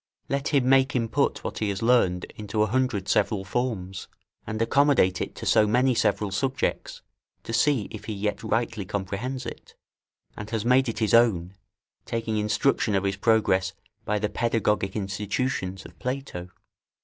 Let him make him put what he has learned into a hundred several forms, and accommodate it to so many several subjects, to see if he yet rightly comprehends it, and has made it his own, taking instruction of his progress by the pedagogic institutions of Plato.